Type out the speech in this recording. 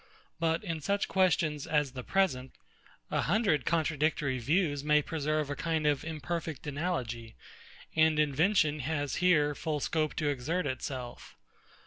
But in such questions as the present, a hundred contradictory views may preserve a kind of imperfect analogy; and invention has here full scope to exert itself.